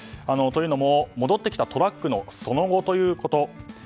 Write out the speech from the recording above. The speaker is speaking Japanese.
というのも、戻ってきたトラックのその後ということ。